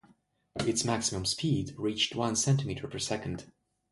Its maximum speed reached one centimeter per second.